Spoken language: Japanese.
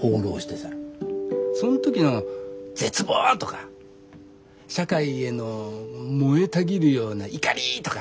その時の絶望とか社会への燃えたぎるような怒りとか？